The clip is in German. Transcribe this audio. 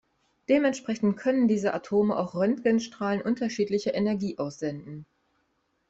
Dementsprechend können diese Atome auch Röntgenstrahlen unterschiedlicher Energie aussenden.